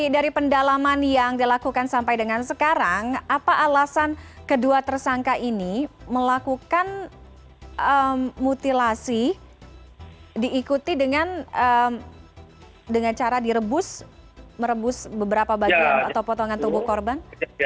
dari pendalaman yang dilakukan sampai dengan sekarang apa alasan kedua tersangka ini melakukan mutilasi diikuti dengan cara direbus merebus beberapa bagian atau potongan tubuh korban